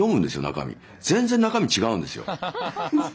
中身全然中身違うんですよ。